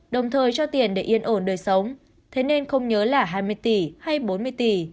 đồng thời cho tiền để yên ổn đời sống thế nên không nhớ là hai mươi tỷ hay bốn mươi tỷ